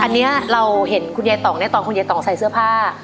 อันนี้เราเห็นคุณยายต่องใส่เสื้อผ้า